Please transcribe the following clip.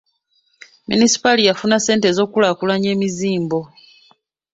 Munisipaali yafuna ssente ez'okukulaakulanya emizimbo.